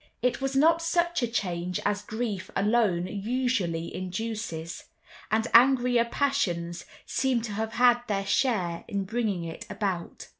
It was not such a change as grief alone usually induces, and angrier passions seemed to have had their share in bringing it about.